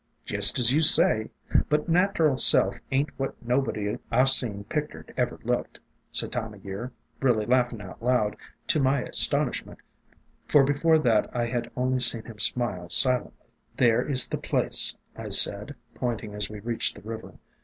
"Jest as you say. But nateral self ain't what nobody 1 've seen pictered ever looked," said Time o' Year, really laughing out loud, to my astonish ment, for before that I had only seen him smile silently. "There is the place," I said, pointing as we reached the river.